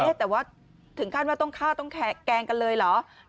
แต่ว่าถึงขั้นว่าต้องฆ่าต้องแกล้งกันเลยเหรอ